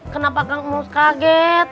kenapa kang mus kaget